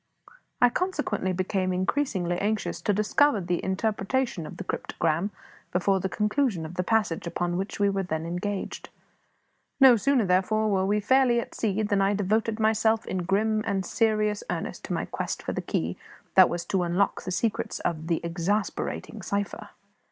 I consequently became increasingly anxious to discover the interpretation of the cryptogram before the conclusion of the passage upon which we were then engaged. No sooner, therefore, were we fairly at sea than I devoted myself in grim and serious earnest to my quest for the key that was to unlock the secrets of the exasperating cipher.